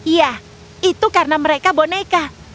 iya itu karena mereka boneka